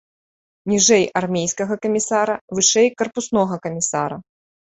Ніжэй армейскага камісара, вышэй карпуснога камісара.